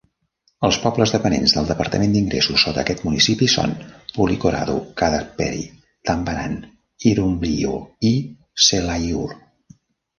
Els pobles dependents del departament d'ingressos sota aquest municipi són Pulikoradu, Kadapperi, Tambaram, Irumbliyu i Selaiyur.